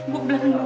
bu belan belan dulu